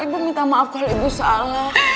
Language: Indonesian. ibu minta maaf kalau ibu salah